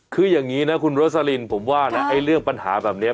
คืออย่างนี้นะคุณโรสลินผมว่านะไอ้เรื่องปัญหาแบบนี้